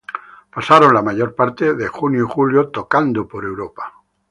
Pasaron la mayor parte de junio y julio tocando por Europa.